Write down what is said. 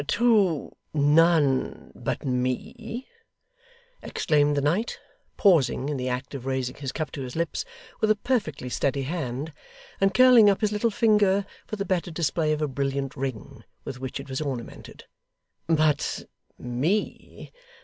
'To none but me!' exclaimed the knight, pausing in the act of raising his cup to his lips with a perfectly steady hand, and curling up his little finger for the better display of a brilliant ring with which it was ornamented: 'but me!